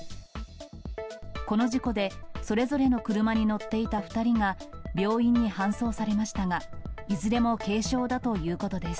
この事故で、それぞれの車に乗っていた２人が病院に搬送されましたが、いずれも軽傷だということです。